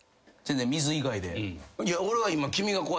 水以外で。